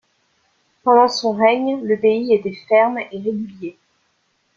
Pendant son règne, le pays était ferme et régulier.